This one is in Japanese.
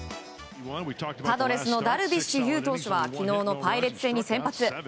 パドレスのダルビッシュ有投手は昨日のパイレーツ戦に先発。